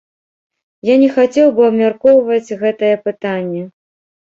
Я не хацеў бы абмяркоўваць гэтае пытанне.